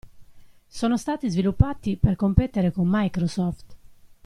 Sono stati sviluppati per competere con Microsoft.